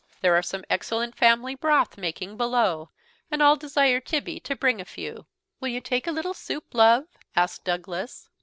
There are some excellent family broth making below, and I'll desire Tibby to bring a few." "Will you take a little soup, love?" asked Douglas.